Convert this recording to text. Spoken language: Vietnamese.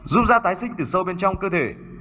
dung da tái sinh từ sâu bên trong cơ thể